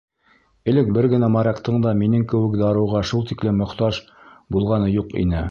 — Әле бер генә моряктың да минең кеүек дарыуға шул тиклем мохтаж булғаны юҡ ине.